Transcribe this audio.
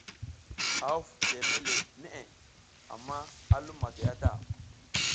A huv teme le neʼe amma a lum matay a ta.